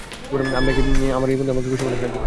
আমার এই বন্ধুই আমাকে খুশি মনে সাহায্য করবে।